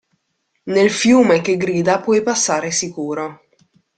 Nel fiume che grida puoi passare sicuro.